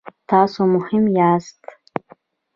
تاسو مهم یاست